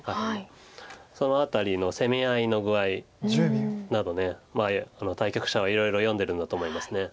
その辺りの攻め合いの具合など対局者はいろいろ読んでるんだと思います。